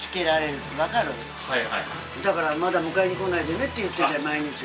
だからまだ迎えにこないでねって言ってんだよ毎日。